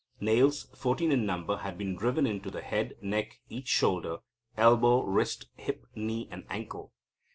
Nails, fourteen in number, had been driven into the head, neck, and each shoulder, elbow, wrist, hip, knee, and ankle.